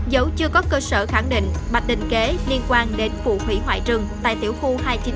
dẫu chưa có cơ sở khẳng định bạch đình kế liên quan đến vụ hủy hoại rừng tại tiểu khu hai trăm chín mươi tám